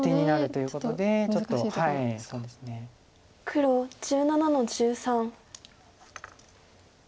黒１７の十三。